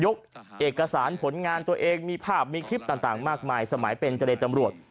เอกสารผลงานตัวเองมีภาพมีคลิปต่างมากมายสมัยเป็นเจรตำรวจ